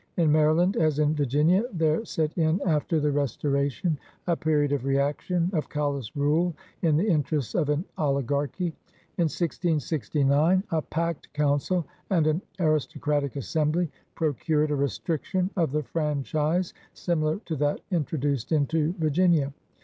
In Maryland, as in Vir ginia, there set in after the Restoration a period of reaction, of callous rule in the interests of an oli garchy. In 1669 a "packed " Council and an "aris tocratic Assembly procured a restriction of the franchise similar to that introduced into Virginia.